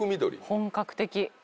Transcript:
本格的。